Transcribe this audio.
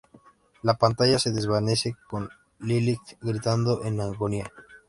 La pantalla se desvanece con Lilith gritando en agonía.